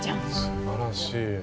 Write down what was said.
すばらしい。